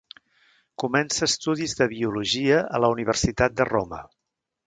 Comença estudis de Biologia a la Universitat de Roma.